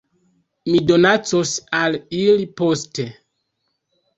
Mi donacos al ili poste